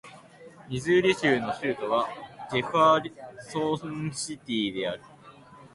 ミズーリ州の州都はジェファーソンシティである